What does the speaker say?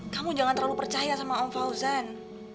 kamu jangan terlalu percaya sama om fauzan